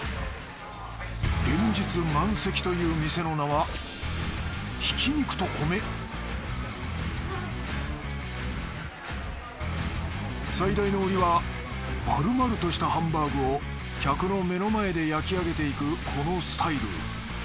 連日満席という店の名は最大の売りは丸々としたハンバーグを客の目の前で焼き上げていくこのスタイル。